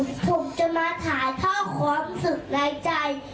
วันนี้ผมจะมาถ่ายท่อความสุขในใจ